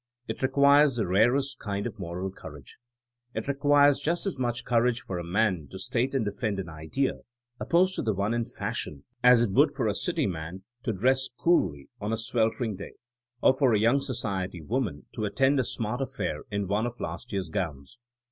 It requires the rarest kind of moral courage. It requires just as much courage for a man to state and defend an idea opposed to the one in fashion as it would for a city man to dress coolly on a swel 118 THINKING AS A SCIENCE tering day, or for a young society woman to at tend a smart affair in one of last year's gowns.